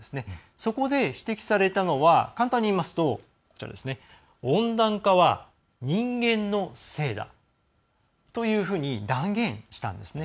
そこで指摘されたのは簡単に言いますと温暖化は人間のせいだというふうに断言したんですね。